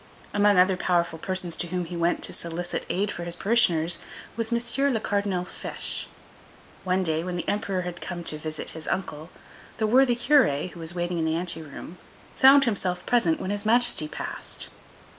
Among other powerful persons to whom he went to solicit aid for his parishioners was M. le Cardinal Fesch. One day, when the Emperor had come to visit his uncle, the worthy Curé, who was waiting in the anteroom, found himself present when His Majesty passed.